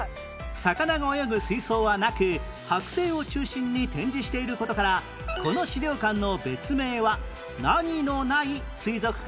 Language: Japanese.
魚が泳ぐ水槽はなくはく製を中心に展示している事からこの史料館の別名は何のない水族館？